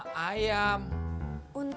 gw kalo jadi bukanya